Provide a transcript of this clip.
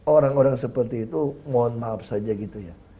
orang orang seperti itu mohon maaf saja gitu ya